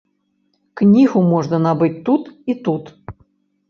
Кнігу можна набыць тут і тут.